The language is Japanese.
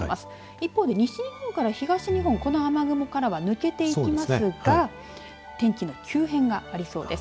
一方で、西日本から東日本この雨雲から抜けていきますが天気の急変がありそうです。